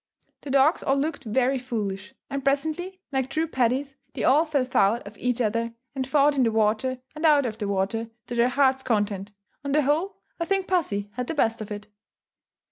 The dogs all looked very foolish; and presently, like true Paddies, they all fell foul of each other, and fought in the water and out of the water, to their heart's content. (See Note P, Addenda.) On the whole, I think pussy had the best of it.